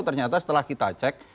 ternyata setelah kita cek